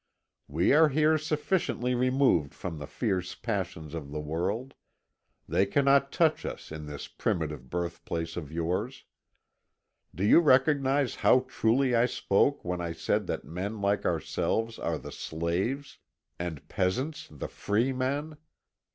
We are here sufficiently removed from the fierce passions of the world they cannot touch us in this primitive birthplace of yours. Do you recognise how truly I spoke when I said that men like ourselves are the slaves, and peasants the free men?